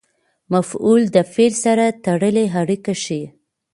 مفعول د فعل سره تړلې اړیکه ښيي.